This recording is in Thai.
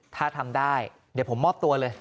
ถ้าทำได้เดี๋ยวผมมอบตัวเลย